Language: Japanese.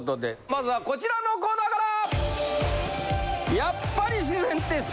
まずはこちらのコーナーから。